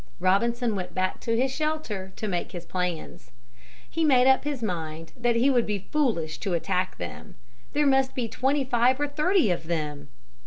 Robinson went back to his shelter to make his plans. He made up his mind that he would be foolish to attack them. There must be twenty five or thirty of them.